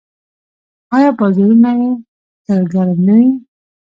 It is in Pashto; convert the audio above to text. آیا بازارونه یې تل ګرم نه وي؟